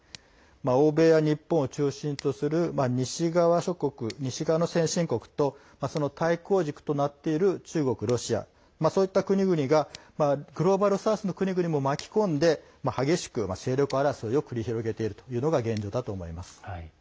欧米や日本を中心とする西側諸国、西側の先進国と対抗軸となっている中国、ロシアそういった国々がグローバル・サウスの国々も巻き込んで激しく勢力争いを繰り広げているというのが現状だと思います。